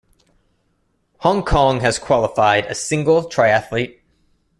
Hong Kong has qualified a single triathlete.